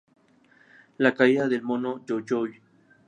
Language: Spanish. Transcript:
La Caída del Mono Jojoy.